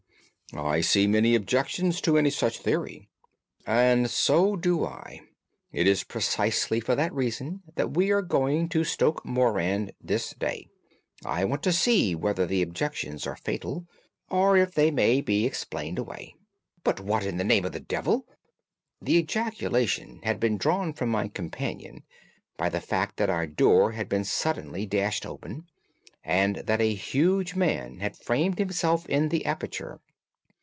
"I see many objections to any such theory." "And so do I. It is precisely for that reason that we are going to Stoke Moran this day. I want to see whether the objections are fatal, or if they may be explained away. But what in the name of the devil!" The ejaculation had been drawn from my companion by the fact that our door had been suddenly dashed open, and that a huge man had framed himself in the aperture.